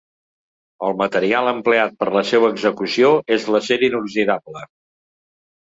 El material empleat per la seua execució és l’acer inoxidable.